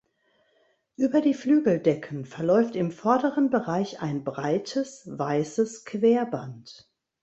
Über die Flügeldecken verläuft im vorderen Bereich ein breites weißes Querband.